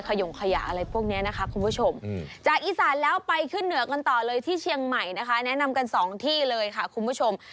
ขยงขยะอะไรพวกนี้นะคะคุณผู้ชมจากอีสานแล้วไปขึ้นเหนือกันต่อเลยที่เชียงใหม่นะคะแนะนำกันสองที่เลยค่ะคุณผู้ชม